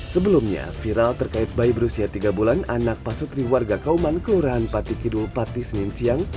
sebelumnya viral terkait bayi berusia tiga bulan anak pasutri warga kauman kelurahan pati kidul pati senin siang